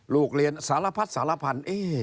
ลูกเรียนสารพัดสารพันธุ์